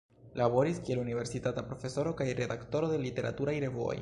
Laboris kiel universitata profesoro kaj redaktoro de literaturaj revuoj.